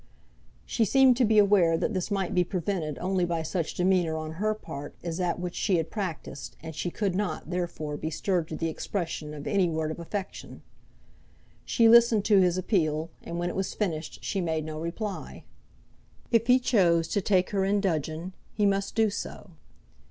She seemed to be aware that this might be prevented only by such demeanour on her part as that which she had practised, and she could not, therefore, be stirred to the expression of any word of affection. She listened to his appeal, and when it was finished she made no reply. If he chose to take her in dudgeon, he must do so.